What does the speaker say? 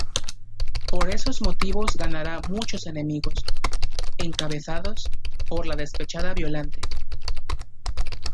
Por esos motivos ganará muchos enemigos, encabezados por la despechada Violante.